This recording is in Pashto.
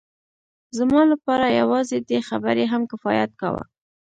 زما لپاره یوازې دې خبرې هم کفایت کاوه